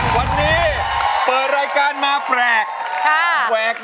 วันนี้เปิดรายการมาแปลก